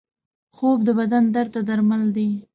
خوب د بدن درد ته درمل دی